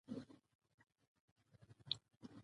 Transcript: د قانون اطاعت د عدالت د تامین وسیله ده